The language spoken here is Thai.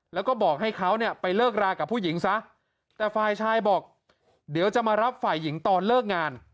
แล้วก็บอกให้เขาเนี่ยไปเลิกรากับผู้หญิงซะแต่ฝ่ายชายบอกเดี๋ยวจะมารับฝ่ายหญิงตอนเลิกงาน